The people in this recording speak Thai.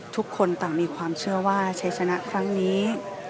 ทุกคนต่างมีความเชื่อว่าชัยชนะครั้งนี้